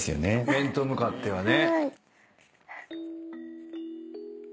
面と向かってはね。